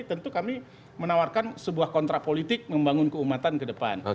tentu kami menawarkan sebuah kontrak politik membangun keumatan ke depan